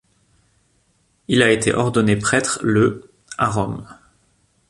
Il a été ordonné prêtre le à Rome.